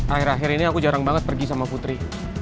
akhir akhir ini aku jarang banget pergi sama putri